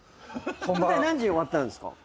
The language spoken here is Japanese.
舞台何時に終わったんですか？